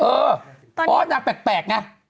เอออ๋อนางแปลกไง